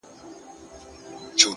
ه ياره په ژړا نه کيږي؛